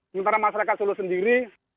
sementara masyarakat solo sendiri